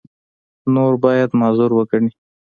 نور باید معذور وګڼي.